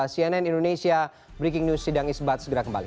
cnn indonesia breaking news sidang isbat segera kembali